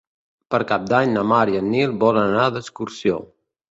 Per Cap d'Any na Mar i en Nil volen anar d'excursió.